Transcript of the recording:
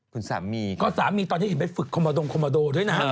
คุณสามีค่ะคุณสามีตอนนี้เห็นไปฝึกคอมโมโดด้วยนะ